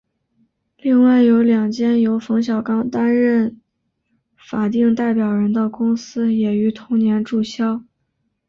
另外有两间由冯小刚担任法定代表人的公司也于同年注销。